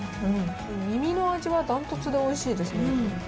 耳の味はダントツでおいしいですね。